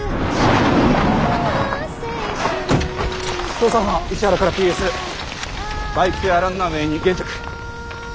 捜査班市原からＰＳバイク屋ランナウェイに現着。